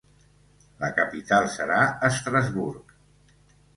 La capital serà Estrasburg.